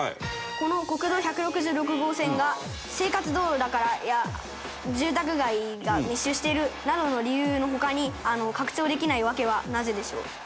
この国道１６６号線が「生活道路だから」や「住宅街が密集している」などの理由の他に拡張できない訳はなぜでしょう？